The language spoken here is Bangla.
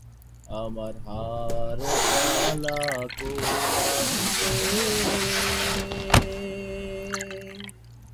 এই যুদ্ধে ফো-ল্হা-নাস-ব্সোদ-নাম্স-স্তোব্স-র্গ্যাস বিজয়ী হন।